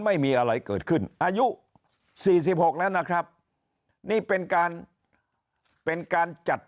ไม่มีอะไรเกิดขึ้นอายุสี่สิบหกแล้วนะครับนี่เป็นการเป็นการจัด